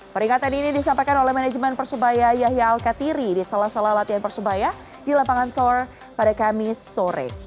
peringatan ini disampaikan oleh manajemen persebaya yahya al katiri di salah salah latihan persebaya di lapangan tor pada kamis sore